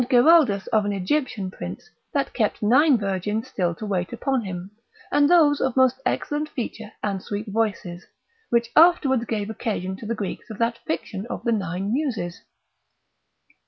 Geraldus of an Egyptian prince, that kept nine virgins still to wait upon him, and those of most excellent feature, and sweet voices, which afterwards gave occasion to the Greeks of that fiction of the nine Muses.